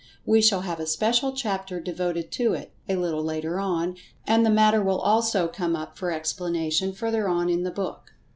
We shall have a special chapter devoted to it, a little later on, and the matter will also come up for explanation further on in the book.